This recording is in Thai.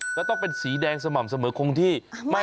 แล้วต้องเป็นสีแดงสม่ำเสมอคงที่